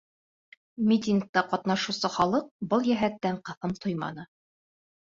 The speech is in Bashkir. Митингта ҡатнашыусы халыҡ был йәһәттән ҡыҫым тойманы.